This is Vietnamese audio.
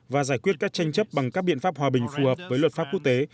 và giải quyết các tranh chấp bằng các biện pháp hòa bình phù hợp với luật pháp quốc tế